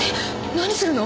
何するの？